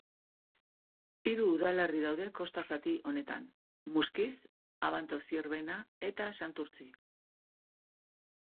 Hiru udalerri daude kosta zati honetan: Muskiz, Abanto-Zierbena eta Santurtzi.